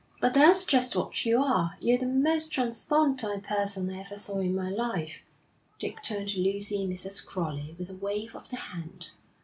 'But that's just what you are. You're the most transpontine person I ever saw in my life.' Dick turned to Lucy and Mrs. Crowley with a wave of the hand.